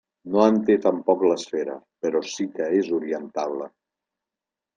No en té tampoc l'esfera, però sí que és orientable.